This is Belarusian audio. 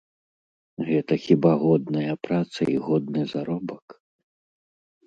Гэта хіба годная праца і годны заробак?